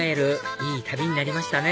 いい旅になりましたね！